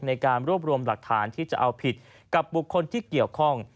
ในการรวบรวมหลักฐานที่จะเอาผิดกับบุคคลที่เกี่ยวข้อง